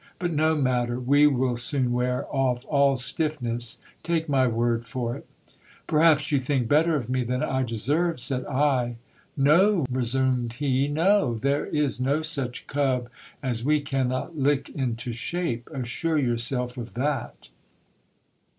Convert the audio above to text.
But no matter, we will soon wear off all stiffness, take my word for it Perhaps you think better of me than I deserve, said I. No, resumed he, no ; there is no such cub as we cannot lick into shape ; assure yourself of that.